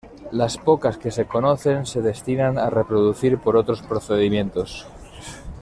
Las pocas que se conocen se destinan a reproducir por otros procedimientos.